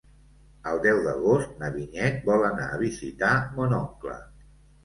El deu d'agost na Vinyet vol anar a visitar mon oncle.